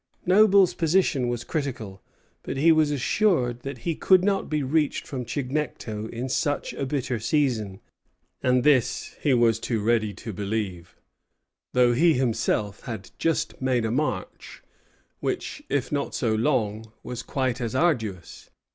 Noble's position was critical, but he was assured that he could not be reached from Chignecto in such a bitter season; and this he was too ready to believe, though he himself had just made a march, which, if not so long, was quite as arduous.